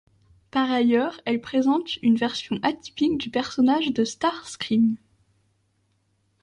Par ailleurs, elle présente une version atypique du personnage de Starscream.